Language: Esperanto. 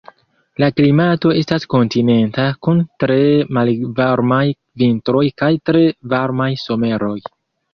La klimato estas kontinenta kun tre malvarmaj vintroj kaj tre varmaj someroj.